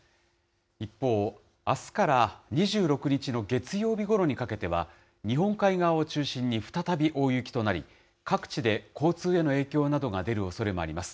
一方、あすから２６日の月曜日ごろにかけては、日本海側を中心に再び大雪となり、各地で交通への影響などが出るおそれもあります。